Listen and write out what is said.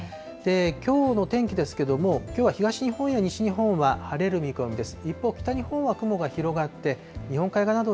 きょうの天気ですけれども、きょうは東日本や西日本は晴れる見込みです。